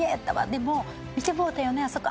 「でも見てもうたよねあそこ。